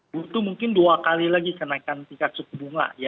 butuh mungkin dua kali lagi kenaikan tingkat suku bunga